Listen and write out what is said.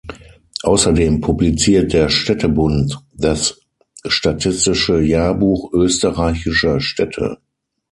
Außerdem publiziert der Städtebund das "Statistische Jahrbuch österreichischer Städte.